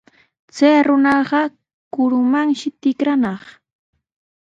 Chay runaqa kurumanshi tikranaq.